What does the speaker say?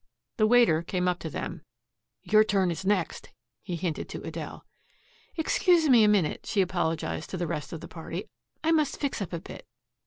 The waiter came up to them. "Your turn is next," he hinted to Adele. "Excuse me a minute," she apologized to the rest of the party. "I must fix up a bit.